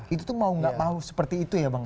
itu tuh mau gak mau seperti itu ya bang